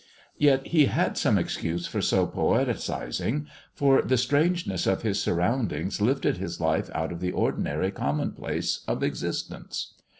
Yet he had some excuse for so poetizing, for the strange ness of his surroundings lifted his life out of the ordinary commonplace of existence.